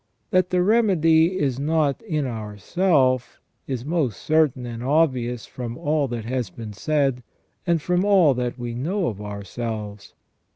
That the remedy is not in ourself is most certain and obvious from all that has been said, and from all that we know of ourselves.